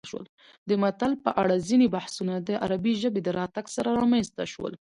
د متل په اړه ځینې بحثونه د عربي ژبې د راتګ سره رامنځته شول